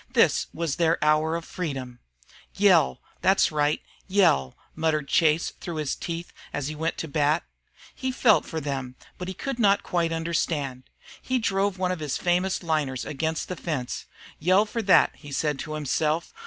This was their hour of freedom. "Yell! That's right, yell!" muttered Chase through his teeth as he went up to bat. He felt for them, but could not quite understand. He drove one of his famous liners against the fence. "Yell for that!" he said to himself.